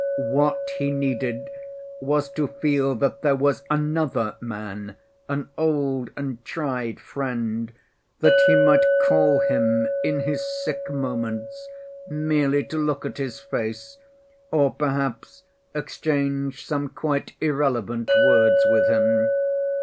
What he needed was to feel that there was another man, an old and tried friend, that he might call him in his sick moments merely to look at his face, or, perhaps, exchange some quite irrelevant words with him.